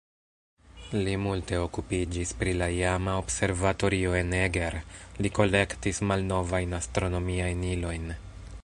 Li multe okupiĝis pri la iama observatorio en Eger, li kolektis malnovajn astronomiajn ilojn.